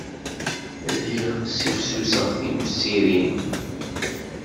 Lliɣ ssifsuseɣ timsirin.